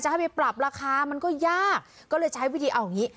ให้ไปปรับราคามันก็ยากก็เลยใช้วิธีเอาอย่างนี้